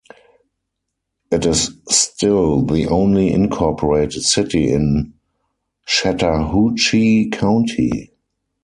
It is still the only incorporated city in Chattahoochee County.